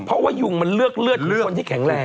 เพราะว่ายุงมันเลือกเลือดหรือคนที่แข็งแรง